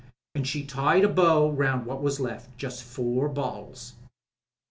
— ^an' she tied a bow round what was left — ^just four bottles.